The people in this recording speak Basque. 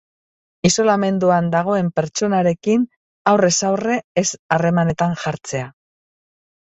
Isolamenduan dagoen pertsonarekin aurrez aurre ez harremanetan jartzea.